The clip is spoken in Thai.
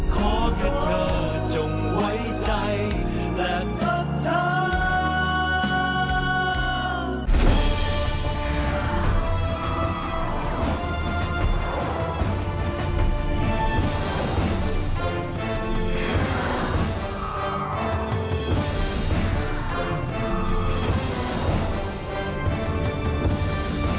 โปรดติดตามตอนต่อไป